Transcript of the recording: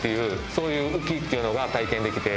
そういう「浮き」っていうのが体験できて。